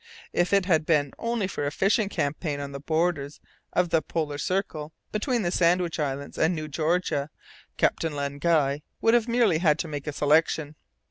If it had been only for a fishing campaign on the borders of the Polar Circle, between the Sandwich Islands and New Georgia, Captain Len Guy would have merely had to make a selection.